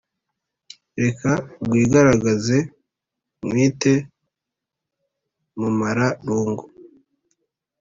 Reka rwigaragaze nkwite mumara rungu